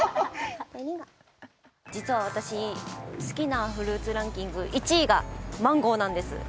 実は私、好きなフルーツランキング１位がマンゴーなんです。